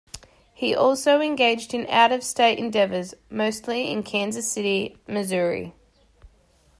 He also engaged in out-of-state endeavors, mostly in Kansas City, Missouri.